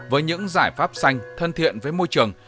với những giải pháp xanh thân thiện với môi trường